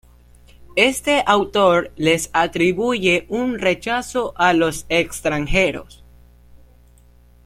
Este autor les atribuye un rechazo a los extranjeros.